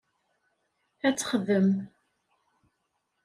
Ad texdem.